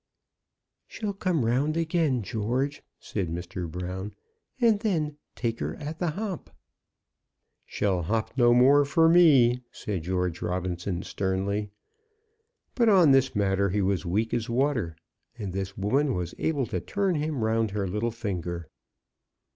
"She'll come round again, George," said Mr. Brown, "and then take her at the hop." "She'll hop no more for me," said George Robinson, sternly. But on this matter he was weak as water, and this woman was able to turn him round her little finger.